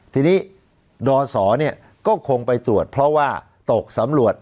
ทีนี้ดศก็คงไปตรวจเพราะว่าตกสำรวจ